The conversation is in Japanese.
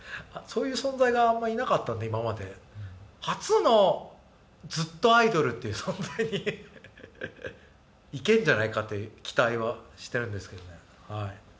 そういう存在があんまいなかったんで今までっていう存在にいけんじゃないかって期待はしてるんですけどね